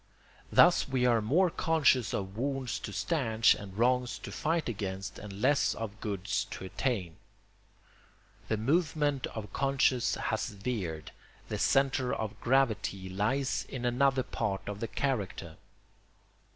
Thus we are more conscious of wounds to stanch and wrongs to fight against, and less of goods to attain. The movement of conscience has veered; the centre of gravity lies in another part of the character.